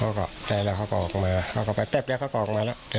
เขาก็ใจแล้วเขาก็ออกมาเขาก็ไปเต็บแล้วเขาก็ออกมาแล้ว